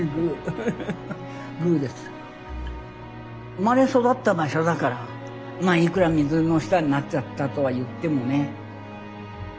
生まれ育った場所だからまあいくら水の下になっちゃったとは言ってもね。